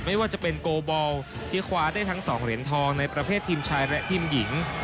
ไม่ว่าจะเป็นโกบอลที่คว้าได้ทั้ง๒เหรียญทองในประเภททีมชายและทีมหญิง